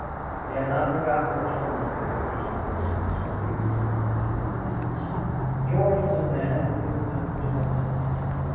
He had not forgotten the tone of the Rector's voice in the smoking room on the night of the dance. George was a man who could remember as well as another.